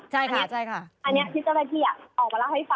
หมายถึงเจ้าหน้าที่นะคะใช่ค่ะ